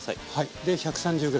で１３０ｇ。